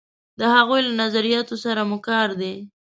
د هغوی له نظریاتو سره مو کار دی.